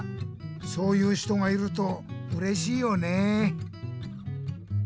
そういう人がいるとうれしいよねえ。